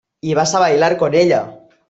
y vas a bailar con ella.